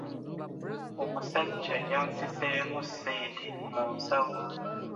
Omusajja yansiseemu ssente mu nsawo?